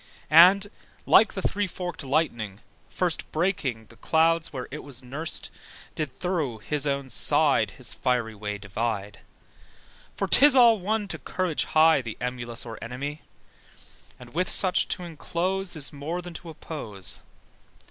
And, like the three forked lightning, first Breaking the clouds where it was nursed, Did thorough his own side His fiery way divide. (For 'tis all one to courage high The emulous or enemy: And with such to inclose Is more than to oppose.)